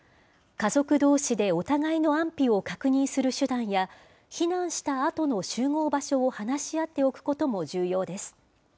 家族どうしでお互いの安否を確認する手段や、避難したあとの集合場所を話し合っておくことも重要です。